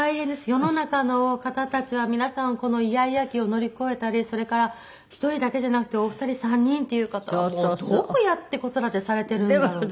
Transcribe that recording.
世の中の方たちは皆さんこのイヤイヤ期を乗り越えたりそれから１人だけじゃなくてお二人３人っていう方はもうどうやって子育てされてるんだろう。